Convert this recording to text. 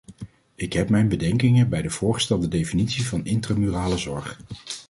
Ik heb mijn bedenkingen bij de voorgestelde definitie van intramurale zorg.